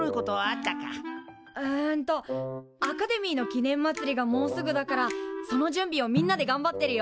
うんとアカデミーの記念まつりがもうすぐだからその準備をみんなでがんばってるよ。